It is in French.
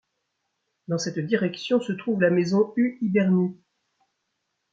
Dans cette direction se trouve la maison U Hybernů.